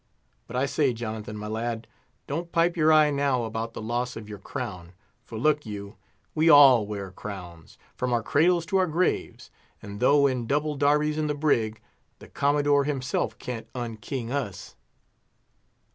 But I say, Jonathan, my lad, don't pipe your eye now about the loss of your crown; for, look you, we all wear crowns, from our cradles to our graves, and though in double darbies in the brig, the Commodore himself can't unking us."